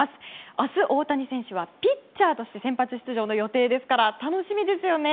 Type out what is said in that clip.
明日、大谷選手はピッチャーとして先発出場の予定ですから楽しみですよね。